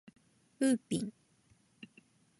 ウーピン